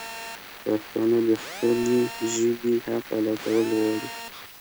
پښتانه د خپلي ژبي حق ادا کول غواړي